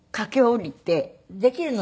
できるの？